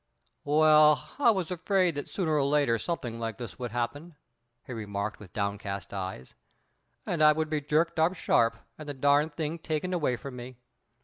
"Well, I was afraid that sooner or later something like this would happen," he remarked with downcast eyes, "and I would be jerked up sharp and the darned thing taken away from me.